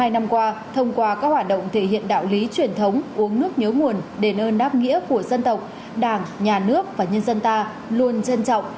hai mươi năm qua thông qua các hoạt động thể hiện đạo lý truyền thống uống nước nhớ nguồn đền ơn đáp nghĩa của dân tộc đảng nhà nước và nhân dân ta luôn trân trọng